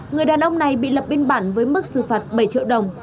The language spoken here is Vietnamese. người đàn ông này bị lập biên bản với mức xử phạt bảy triệu đồng